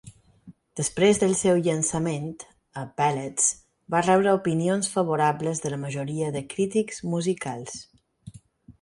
Després del seu llançament, "A Ballads" va rebre opinions favorables de la majoria de crítics musicals.